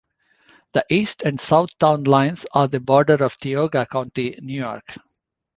The east and south town lines are the border of Tioga County, New York.